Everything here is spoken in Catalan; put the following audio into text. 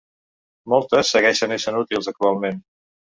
Moltes segueixen essent útils actualment.